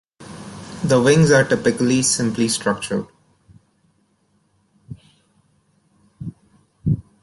The wings are typically simply structured.